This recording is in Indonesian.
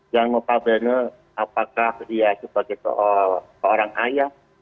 yang mempabernakan apakah dia sebagai seorang ayah